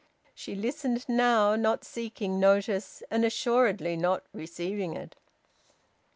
She listened now, not seeking notice and assuredly not receiving it.